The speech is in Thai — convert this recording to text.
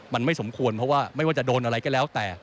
มันไม่สมควรเพราะว่าไม่ว่าจะโดนอะไรก็แล้วแต่